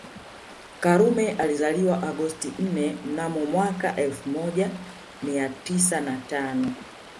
Karume alizaliwa Agosti nne mnamo mwaka elfu moja mia tisa na tano